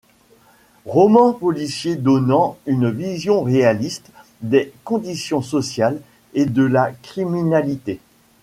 Roman policier donnant une vision réaliste des conditions sociales et de la criminalité.